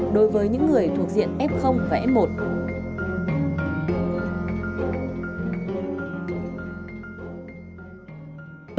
đối với những người thuộc diện f và f một